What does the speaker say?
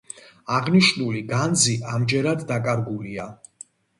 აღნიშნული განძი ამჯერად დაკარგულია.